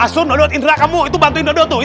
asur download intrah kamu itu bantuin dodo tuh